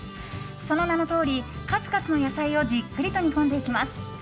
その名のとおり数々の野菜をじっくりと煮込んでいきます。